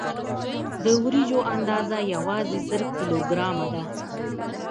د وریجو اندازه یوازې زر کیلو ګرامه ده.